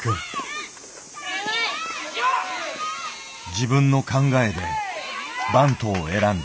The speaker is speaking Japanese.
自分の考えでバントを選んだ。